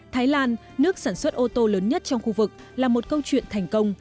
thái lan nước sản xuất ô tô lớn nhất trong khu vực là một câu chuyện thành công